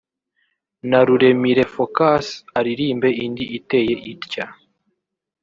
na Ruremire Focus aririmbe indi iteye itya